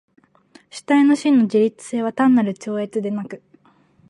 主体の真の自律性は単なる超越でなく、